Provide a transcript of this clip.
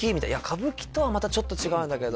「歌舞伎とはまたちょっと違うんだけど」